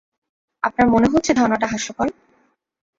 আপনার মনে হচ্ছে ধারণাটা হাস্যকর?